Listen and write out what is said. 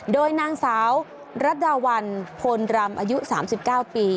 โดยนางสาวรัดดาวันพลรำอายุ๓๙ปี